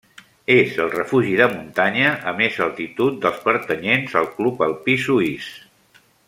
És el refugi de muntanya a més altitud dels pertanyents al Club Alpí Suís.